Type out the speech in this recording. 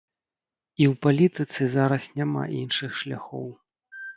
І ў палітыцы зараз няма іншых шляхоў.